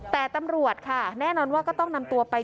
แต่ตำรวจค่ะแน่นอนว่าก็ต้องนำตัวไป